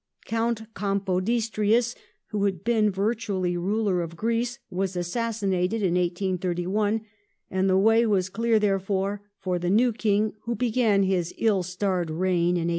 Count Capodistrias, who had been vir tually ruler of Greece, was assassinated in 1831, and the way was clear, therefore, for the new King who began his ill starred reign in 1833.